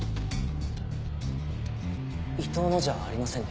伊藤のじゃありませんね。